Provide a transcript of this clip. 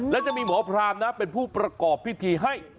และจะมีหมอพรามนะเป็นผู้ประกอบพิธีให้